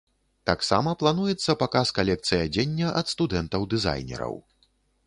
Таксама плануецца паказ калекцый адзення ад студэнтаў-дызайнераў.